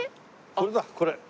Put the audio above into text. これだこれ。